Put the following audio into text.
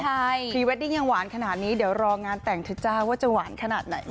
ใช่พรีเวดดิ้งยังหวานขนาดนี้เดี๋ยวรองานแต่งเถอะจ้าว่าจะหวานขนาดไหน